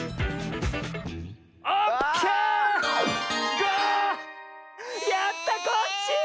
５！やったコッシー！